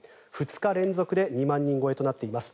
２日連続で２万人超えとなっています。